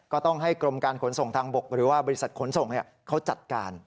ก็ต้องให้กรมการขนส่งทางบกหรือว่าบริษัทขนส่งเขาจัดการ